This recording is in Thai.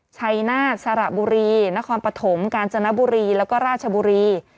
ชัยนาศสระบุรีนครปฐมกาญจนบุรีแล้วก็ราชบุรี